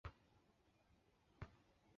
其中电流对人体的损害最直接也最大。